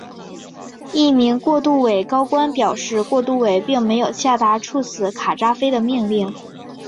一名过渡委高官表示过渡委并没有下达处死卡扎菲的命令。